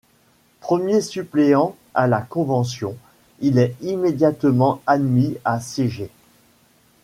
Premier suppléant à la Convention, il est immédiatement admis à siéger.